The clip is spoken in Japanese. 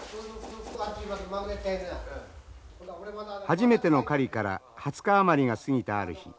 初めての狩りから２０日余りが過ぎたある日。